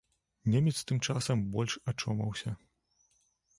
Немец тым часам больш ачомаўся.